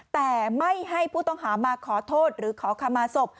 แต่ไม่ให้ผู้ต้องหามาขอโทษหรือขอขมาศพ